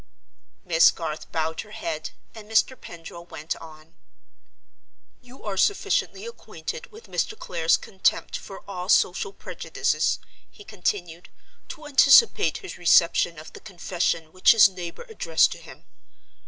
Miss Garth bowed her head, and Mr. Pendril went on. "You are sufficiently acquainted with Mr. Clare's contempt for all social prejudices," he continued, "to anticipate his reception of the confession which his neighbor addressed to him.